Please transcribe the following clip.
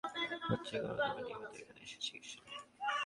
কিন্তু এসবের প্রয়োজন নেই মনে হচ্ছে কারণ আমি নিয়মিত এখানে এসে চিকিৎসা নিই।